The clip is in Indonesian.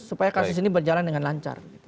supaya kasus ini berjalan dengan lancar